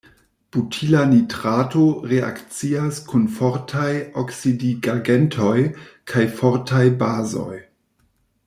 Butila nitrato reakcias kun fortaj oksidigagentoj kaj fortaj bazoj.